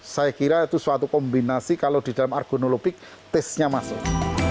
saya kira itu suatu kombinasi kalau di dalam argonolopik testnya masuk